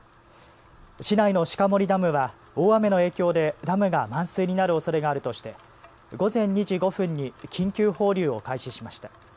市内の鹿森ダムは大雨の影響でダムが満水になるおそれがあるとして、午前２時５分に緊急放流を開始しました。